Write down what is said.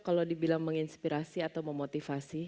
kalau dibilang menginspirasi atau memotivasi